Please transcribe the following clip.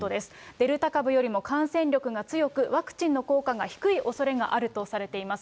デルタ株よりも感染力が強く、ワクチンの効果が低いおそれがあるとされています。